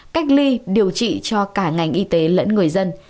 cách ly điều trị cho cả ngành y tế lẫn người dân